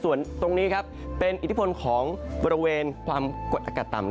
ส่วนตรงนี้เป็นอิทธิพลของบริเวณความกดอากาศต่ำ